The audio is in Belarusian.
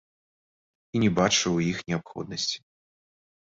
І не бачу ў іх неабходнасці.